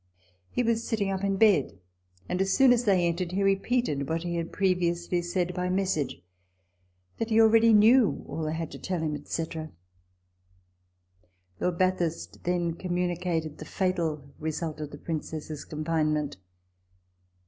He was sitting up in bed ; and, as soon as they entered, he repeated what he had previously said by message, that he already knew all they had to tell him, &c. Lord Bathurst then communicated the fatal result of the Princess's confinement.